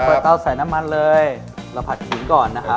เตาใส่น้ำมันเลยเราผัดขิงก่อนนะครับ